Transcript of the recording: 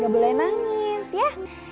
gak boleh nangis ya